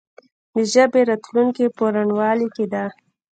د ژبې راتلونکې په روڼوالي کې ده.